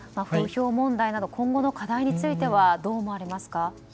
風評問題など今後の課題についてはどう思われますか。